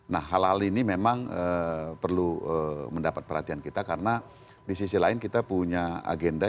nah hal hal ini memang perlu mendapat perhatian kita karena di sisi lain kita punya agenda